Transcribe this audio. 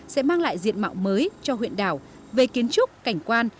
sẽ mang lại diện mạo mới cho huyện đảo về kiến trúc cảnh quan